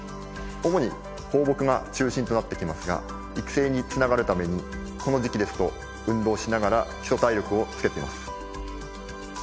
主に放牧が中心となってきますが育成につながるためにこの時期ですと運動しながら基礎体力をつけています